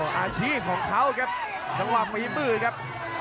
อาชีพของเขาครับจังหวะฝีมือครับ